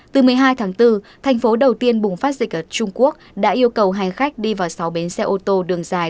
từ một mươi hai tháng bốn thành phố đầu tiên bùng phát dịch ở trung quốc đã yêu cầu hành khách đi vào sáu bến xe ô tô đường dài